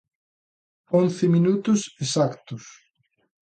Once minutos exactos.